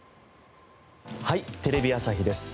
『はい！テレビ朝日です』